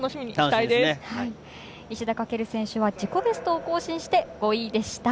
石田駆選手は自己ベストを更新して５位でした。